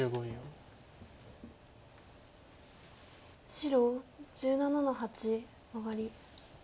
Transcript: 白１７の八マガリ。